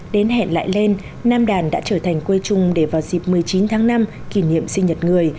đến hẹn lại lên nam đàn đã trở thành quê chung để vào dịp một mươi chín tháng năm kỷ niệm sinh nhật người